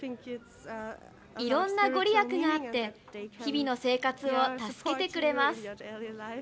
いろんなご利益があって、日々の生活を助けてくれます。